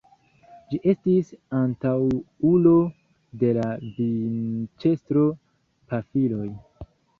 Ĝi estis antaŭulo de la vinĉestro-pafiloj.